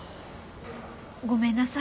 ごめんなさい。